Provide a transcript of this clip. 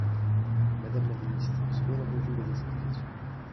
Madame la ministre, j’ai bien entendu vos explications.